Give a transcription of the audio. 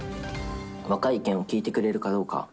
若い意見を聞いてくれるかどうか。